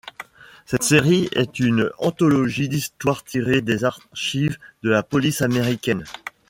Cette série est une anthologie d'histoires tirées des archives de la police américaine.